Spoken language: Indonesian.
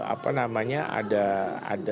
apa namanya ada ada